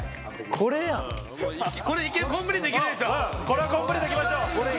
これはコンプリートいきましょう。